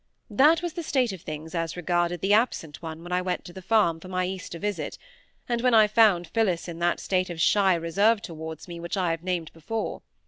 That was the state of things as regarded the absent one when I went to the farm for my Easter visit, and when I found Phillis in that state of shy reserve towards me which I have named before.